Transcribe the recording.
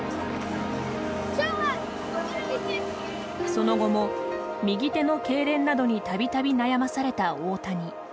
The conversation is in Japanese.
その後も右手のけいれんなどに度々悩まされた大谷。